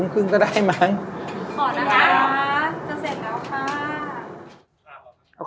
ไปมาด้วยว่า